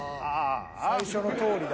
最初のとおりだ。